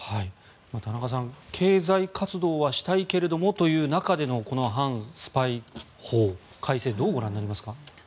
田中さん、経済活動はしたいけれどもという中でのこの反スパイ法改正どうご覧になりますか？